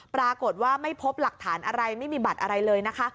ปรากฏว่าไม่พบหลักฐานอะไรไม่มีบัตรอะไรเลยนะคะ